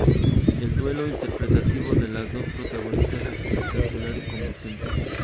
El duelo interpretativo de las dos protagonistas es espectacular y convincente.